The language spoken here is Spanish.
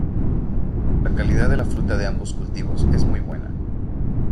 La calidad de la fruta de ambos cultivos es muy buena.